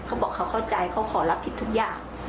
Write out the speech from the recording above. เขาบอกเขาเข้าใจเขาขอรับผิดทุกอย่าง